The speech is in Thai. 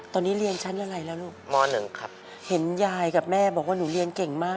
ตอนนี้เรียนชั้นอะไรแล้วลูกมหนึ่งครับเห็นยายกับแม่บอกว่าหนูเรียนเก่งมาก